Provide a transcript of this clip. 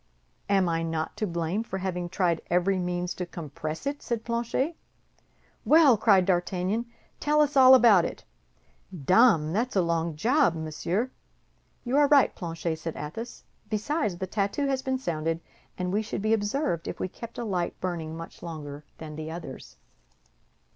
"I am not to blame for having tried every means to compress it," said Planchet. "Well!" cried D'Artagnan, "tell us all about it." "Dame, that's a long job, monsieur." "You are right, Planchet," said Athos; "besides, the tattoo has been sounded, and we should be observed if we kept a light burning much longer than the others."